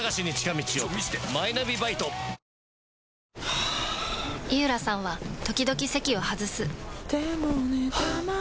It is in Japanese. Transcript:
はぁ井浦さんは時々席を外すはぁ。